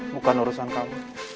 bukan urusan kamu